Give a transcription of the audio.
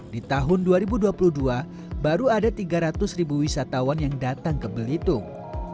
di tahun dua ribu dua puluh dua baru ada tiga ratus ribu wisatawan yang datang ke belitung